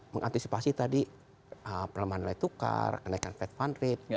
mengantisipasi tadi pelemahan nilai tukar kenaikan fed fund rate